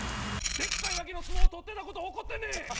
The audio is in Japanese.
でっかいだけの相撲を取ってた事を怒ってんねん！